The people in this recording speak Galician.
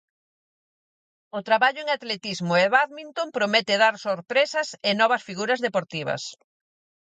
O traballo en atletismo e bádminton promete dar sorpresas e novas figuras deportivas.